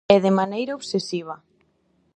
E de maneira obsesiva.